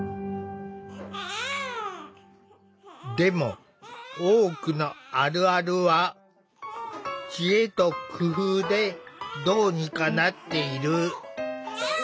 でも多くのあるあるは知恵と工夫でどうにかなっている。